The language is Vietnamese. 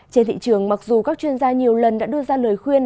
trên thị trường mặc dù các chuyên gia nhiều lần đã đưa ra lời khuyên